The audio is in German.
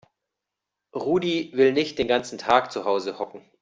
Rudi will nicht den ganzen Tag zu Hause hocken.